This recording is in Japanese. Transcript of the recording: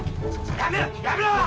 やめろやめろ！